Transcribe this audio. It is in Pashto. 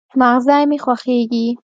مځغی مي خوږیږي